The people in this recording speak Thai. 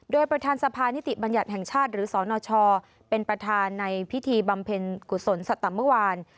โดยประธานสภานิติบัญญัติแห่งชาติหรือสนชเป็นประธานในพิธีบำเพ็ญกุศลสัตมเมื่อวาน